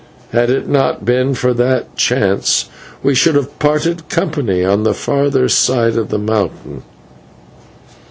Had it not been for that chance, we should have parted company on the further side of the mountain."